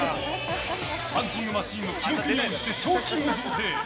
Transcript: パンチングマシンの記録に応じて賞金を贈呈。